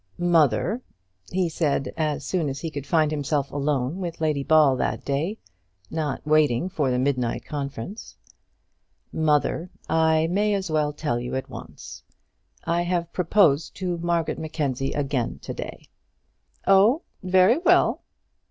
"Mother," he said, as soon as he could find himself alone with Lady Ball that day, not waiting for the midnight conference; "mother, I may as well tell you at once. I have proposed to Margaret Mackenzie again to day." "Oh! very well."